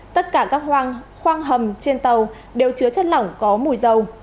tất cả các hoang khoang hầm trên tàu đều chứa chất lỏng có mùi dầu